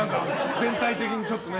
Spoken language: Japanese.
全体的にちょっとね。